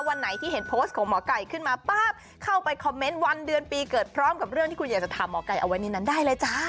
วันไหนที่เห็นโพสต์ของหมอไก่ขึ้นมาป๊าบเข้าไปคอมเมนต์วันเดือนปีเกิดพร้อมกับเรื่องที่คุณอยากจะถามหมอไก่เอาไว้ในนั้นได้เลยจ้า